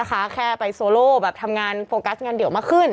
แบบทำงานโฟกัสงานเดี่ยวมาขึ้น